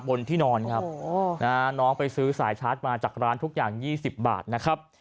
บนที่นอนครับน้องไปซื้อสายชาร์จมาจากร้านทุกอย่าง๒๐บาทนะครับ